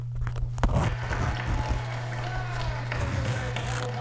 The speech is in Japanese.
「ぽかぽか」